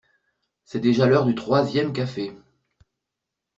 C’est déjà l’heure du troisième café.